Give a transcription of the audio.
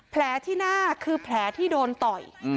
ที่หน้าคือแผลที่โดนต่อย